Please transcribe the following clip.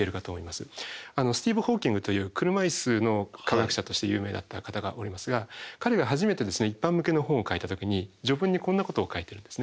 スティーヴン・ホーキングという車椅子の科学者として有名だった方がおりますが彼が初めて一般向けの本を書いた時に序文にこんなことを書いてるんですね。